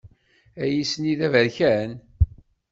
Ayis-nni d aberkan?